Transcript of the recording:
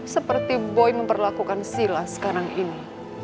seperti boy memperlakukan sila sekarang ini